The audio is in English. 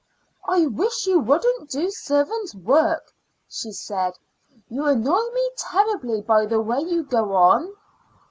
"I do wish you wouldn't do servant's work," she said. "You annoy me terribly by the way you go on."